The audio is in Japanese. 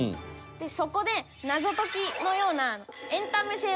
そこで謎解きのような。